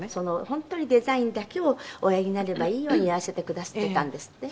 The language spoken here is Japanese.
本当にデザインだけをおやりになればいいようにやらせてくだすってたんですって？